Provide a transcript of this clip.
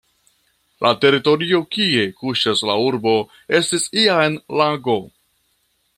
La teritorio kie kuŝas la urbo estis iam lago.